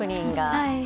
はい。